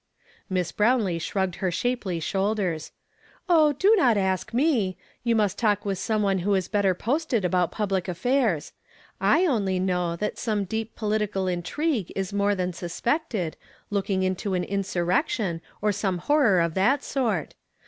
Miss lirownlee shrugged her sluipely shoulders. "Oh, do not ask me ! You nuist talk with some one who is better posted about public affairs. I only know that some deep political intrigue is more than suspected, looking to an insurrection, or some horror of that sort.